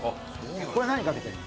これ何かけてんの？